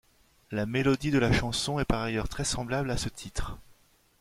La mélodie de la chanson est par ailleurs très semblable à ce titre.